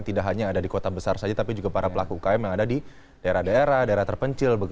tidak hanya ada di kota besar saja tapi juga para pelaku ukm yang ada di daerah daerah daerah terpencil